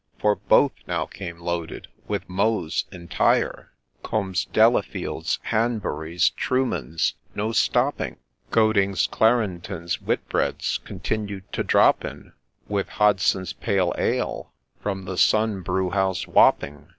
For both now came loaded with Meux's entire ; Combe's, Delafield's, Hanbury's, Truman's — no stopping — Coding's, Charenton's, Whitbread's continued to drop in, With Hodson's pale ale, from the Sun Brewhouse, Wapping.